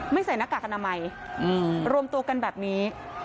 ใส่หน้ากากอนามัยรวมตัวกันแบบนี้